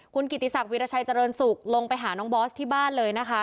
คุณกิติศักดิราชัยเจริญสุขลงไปหาน้องบอสที่บ้านเลยนะคะ